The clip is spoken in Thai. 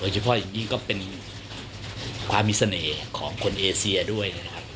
เฉพาะอย่างนี้ก็เป็นความมิเสน่ห์ของคนเอเซียด้วย